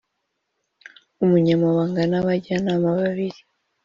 Umunyamabanga n Abajyanama babiri